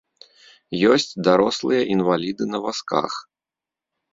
Ёсць дарослыя інваліды на вазках.